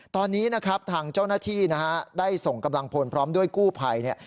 ตอนนี้นะครับทางเจ้าหน้าที่นะฮะได้ส่งกำลังพลพร้อมด้วยกู้ภัยเนี่ย